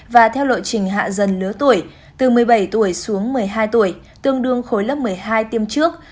và theo lộ trình hạ dần lứa tuổi từ một mươi bảy tuổi xuống một mươi hai tuổi tương đương khối lớp một mươi hai tiêm trước